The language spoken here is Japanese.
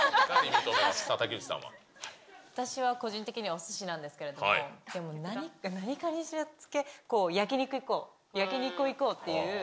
私は個人的にはおすしなんですけれども、でも何かにつけ、焼き肉行こう、焼き肉行こうっていう。